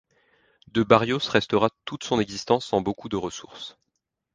De Barrios restera toute son existence sans beaucoup de ressources.